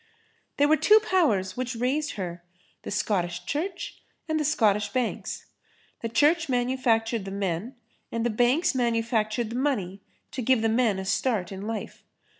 "There were two powers, which raised her—the Scottish Church and the Scottish banks. The Church manufactured the men and the banks manufactured the money to give the men a start in life....